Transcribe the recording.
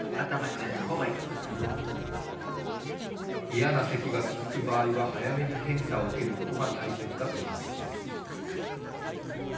嫌なせきが続く場合は早めに検査を受けることが大切だということです。